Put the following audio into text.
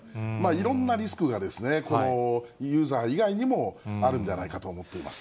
いろんなリスクがこのユーザー以外にもあるんではないかと思っています。